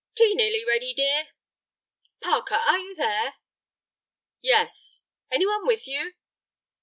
"Tea nearly ready, dear?" "Parker, are you there?" "Yes." "Any one with you?"